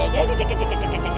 di belakang om jin